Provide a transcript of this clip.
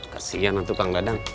kasianlah tukang gadang